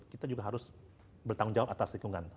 kita juga harus bertanggung jawab atas lingkungan